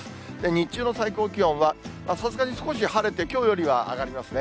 日中の最高気温は、さすがに少し晴れて、きょうよりは上がりますね。